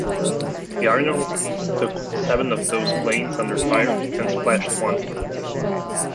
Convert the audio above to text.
"Yarnall" took seven of those planes under fire and splashed one.